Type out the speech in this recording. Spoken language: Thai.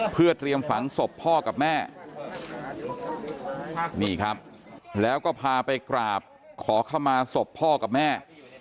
เพื่อเตรียมฝังศพพ่อกับแม่นี่ครับแล้วก็พาไปกราบขอเข้ามาศพพ่อกับแม่